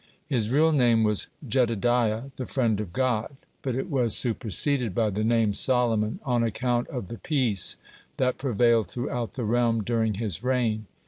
His real name was Jedidiah, the "friend of God," but it was superseded by the name Solomon on account of the peace that prevailed throughout the realm during his reign.